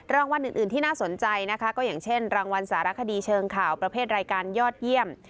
รางวัลอื่นที่น่าสนใจนะคะก็อย่างเช่นรางวัลสารคดีเชิงข่าวประเภทรายการยอดเยี่ยม